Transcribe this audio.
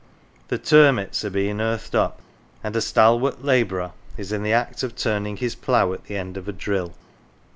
The " turmits "" are being earthed up, and a stalwart labourer is in the act of turning his plough at the end of a drill.